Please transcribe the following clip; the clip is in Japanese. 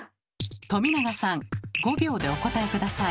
冨永さん５秒でお答え下さい。